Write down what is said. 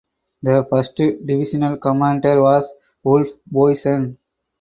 The first divisional commander was Wolf Boysen.